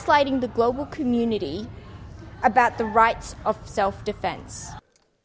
sedangkan mengejarkan komunitas global tentang hak hak penyelamatan